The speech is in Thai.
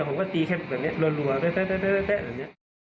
ผมก็ตีแค่แบบนี้รัวเต๊ะแบบนี้